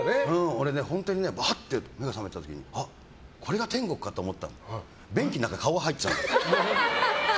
俺、本当にわって目が覚めた時あっ、これが天国かと思ったら便器の中に顔が入ってたの。